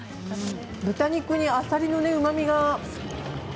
豚肉にあさりのうまみが。